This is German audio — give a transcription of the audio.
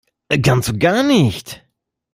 Ganz und gar nicht!